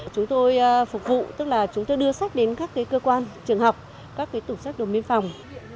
chúng tôi phục vụ tức là chúng tôi đưa sách đến các cơ quan trường học các tủ sách đồn biên phòng